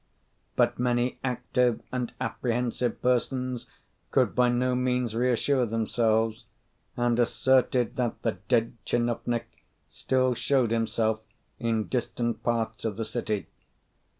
But many active and apprehensive persons could by no means reassure themselves, and asserted that the dead tchinovnik still showed himself in distant parts of the city.